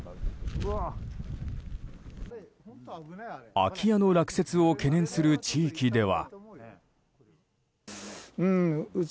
空き家の落雪を懸念する地域では。